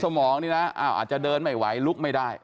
สมองนี่นะอาจจะเดินไม่ไหวลุกไม่ได้